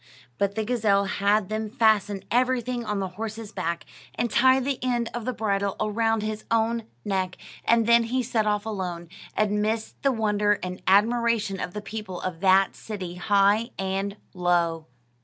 But the gazelle had them fasten everything on the horse's back, and tie the end of the bridle around his own neck, and then he set off alone, amidst the wonder and admiration of the people of that city, high and low.